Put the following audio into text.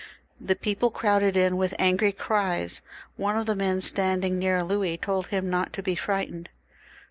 The people crowded in with angry cries. One of the men standing near Louis told him not to be frightened.